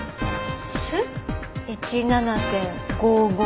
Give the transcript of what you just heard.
「ス１７．５５」？